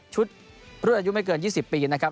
รุ่นอายุไม่เกิน๒๐ปีนะครับ